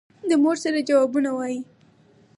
د مور سره جوابونه وايي.